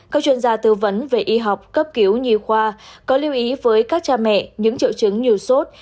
các chuyên gia tư vấn về y học cấp cứu nhi khoa có lưu ý với các cha mẹ những triệu chứng như sốt